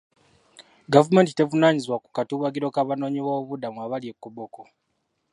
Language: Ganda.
Gavumenti tevunaanyizibwa ku katuubagiro k'abanoonyiboobubudamu abali e Koboko.